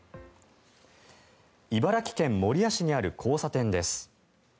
茨城県守谷市にある交差点です。